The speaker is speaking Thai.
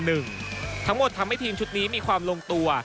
ทั้งหมดทำให้ทีมชุดนี้มีความลงตัว